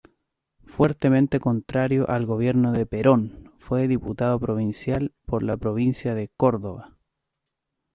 Fuertemente contrario al gobierno de Perón, fue diputado provincial por la provincia de Córdoba.